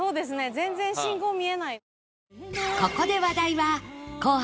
全然信号見えない。